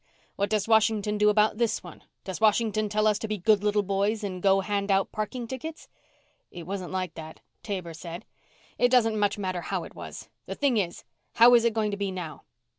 What does Washington do about this one? Does Washington tell us to be good little boys and go hand out parking tickets?" "It wasn't like that," Taber said. "It doesn't much matter how it was. The thing is how is it going to be now?"